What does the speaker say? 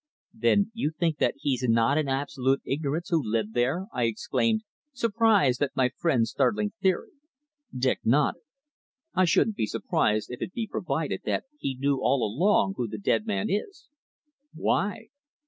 "Then you think that he's not in absolute ignorance of who lived there?" I exclaimed, surprised at my friend's startling theory. Dick nodded. "I shouldn't be surprised if it be proved that he knew all along who the dead man is." "Why?"